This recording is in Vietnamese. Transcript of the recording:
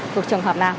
thuộc trường hợp nào